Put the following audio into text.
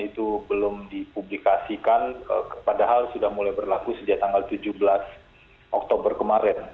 dan itu belum dipublikasikan padahal sudah mulai berlaku sejak tanggal tujuh belas oktober kemarin